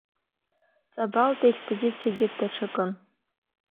Ҵабалтәи аекспедициагьы даҽакын…